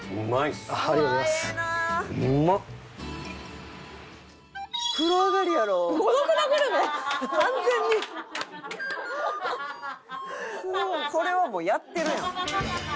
「すごい」「これはもうやってるやん」